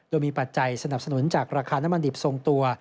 โดยมีปัจจัยสนับสนุนจากราคาน้ำมันดิบทรงตัว